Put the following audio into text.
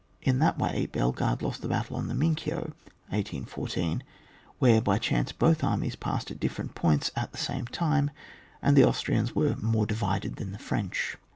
In that way Bellegarde lost the battle on the Mincio, 1814, where by chance both armies passed at difierent points at the same time, and the Austrians were more' divided than the French.